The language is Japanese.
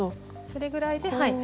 それぐらいではい。